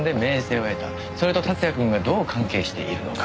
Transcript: それと竜也くんがどう関係しているのか。